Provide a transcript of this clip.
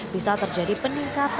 bisa terjadi peningkatan beratnya